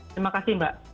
terima kasih mbak